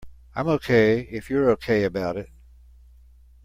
I'm OK if you're OK about it.